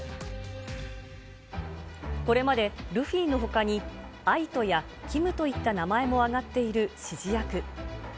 これまでルフィのほかに、あいとやキムといった名前もあがっている指示役。